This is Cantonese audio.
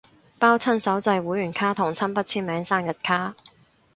包親手製會員卡同親筆簽名生日卡